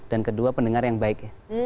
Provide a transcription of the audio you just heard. dan kedua pendengar yang baik